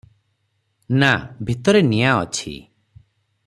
ନା, ଭିତରେ ନିଆଁ ଅଛି ।